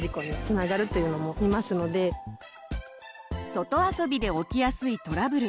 外遊びで起きやすいトラブル。